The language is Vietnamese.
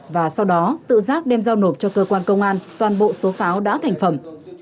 và sau đó tự giác đem giao nộp cho cơ quan công an toàn bộ số pháo đã thành phẩm